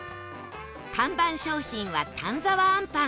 看板商品は丹沢あんぱん